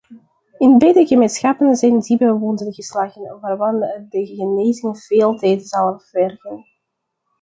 In beide gemeenschappen zijn diepe wonden geslagen, waarvan de genezing veel tijd zal vergen.